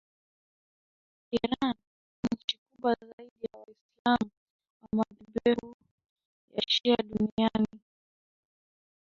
Iran nchi kubwa zaidi ya waislam wa madhehebu ya shia duniani